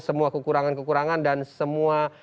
semua kekurangan kekurangan dan semua